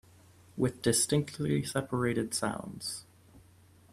With distinctly separated sounds.